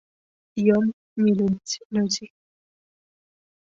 Ён не любіць людзей.